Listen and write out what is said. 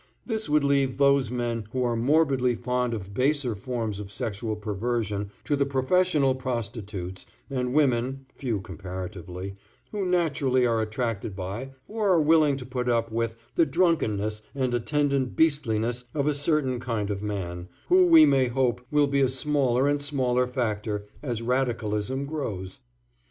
This would then leave those men who are morbidly fond of the baser forms of sexual perversion to the professional prostitutes and women (few comparatively), who naturally are attracted by, or are willing to put up with, the drunkenness and attendant beastliness of a certain kind of man, who we may hope, will be a smaller and smaller factor, as radicalism grows.